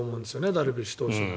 ダルビッシュ投手が。